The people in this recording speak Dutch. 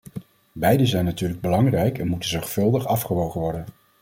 Beide zijn natuurlijk belangrijk en moeten zorgvuldig afgewogen worden.